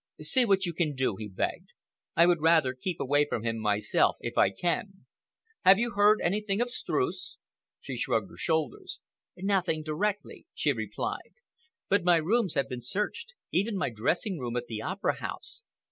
"See what you can do," he begged. "I would rather keep away from him myself, if I can. Have you heard anything of Streuss?" She shrugged her shoulders. "Nothing directly," she replied, "but my rooms have been searched—even my dressing room at the Opera House.